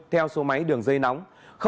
theo số máy đường dây nóng